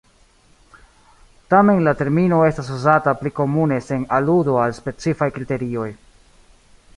Tamen la termino estas uzata pli komune sen aludo al specifaj kriterioj.